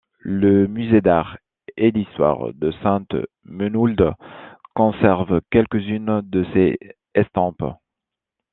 Le musée d'art et d'histoire de Sainte-Menehould conserve quelques-unes de ses estampes.